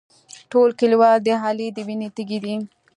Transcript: ټول کلیوال د علي د وینې تږي دي.